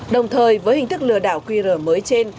đồng thời với hình thức lừa đảo qr mới trên